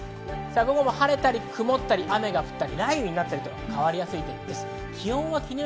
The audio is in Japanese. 晴れたり曇ったり雨が降ったり雷雨になったり、変わりやすい天気です。